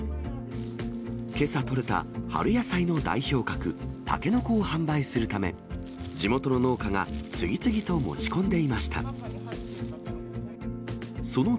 けさ取れた春野菜の代表格、タケノコを販売するため、地元の農家が次々と持ち込んでいました。